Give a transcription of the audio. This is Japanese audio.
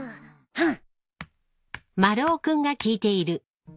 うん。